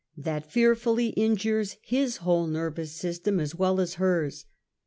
that fearfully injures his whole nervous sys tem as well as hers.